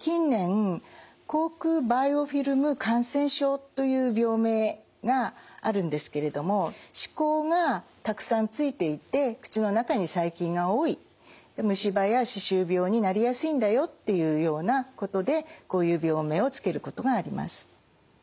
近年口腔バイオフィルム感染症という病名があるんですけれども歯垢がたくさんついていて口の中に細菌が多い虫歯や歯周病になりやすいんだよっていうようなことでこういう病名を付けることがあります。